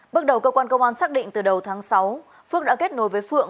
bước đầu cơ quan công an xác định từ đầu tháng sáu phước đã kết nối với phượng